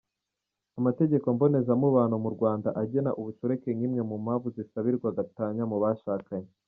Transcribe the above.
Amategeko mbonezamubano mu Rwanda agena ubushoreke nk’imwe mu mpamvu zisabirwa gatanya mu bashakanye.